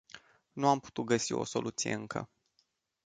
Nu am putut găsi o soluție încă.